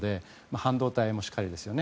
半導体もしかりですね。